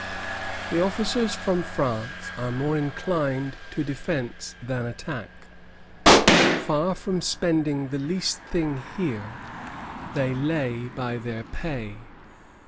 The officers from France are more inclined to defence than attack. Far from spending the least thing here, they lay by their pay.